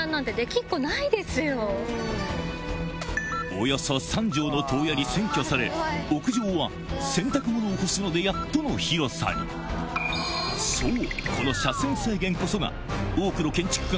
およそ３畳の塔屋に占拠され屋上は洗濯物を干すのでやっとの広さにそう！